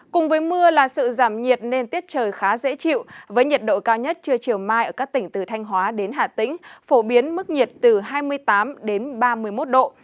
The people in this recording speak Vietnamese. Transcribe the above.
cùng với mưa là sự giảm nhiệt nên tiết trời khá dễ chịu với nhiệt độ cao nhất trưa chiều mai ở các tỉnh từ thanh hóa đến hà tĩnh phổ biến mức nhiệt từ hai mươi tám đến ba mươi một độ